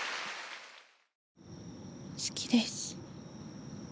好きです。